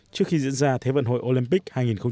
trước khi diễn ra thế vận hội olympic hai nghìn hai mươi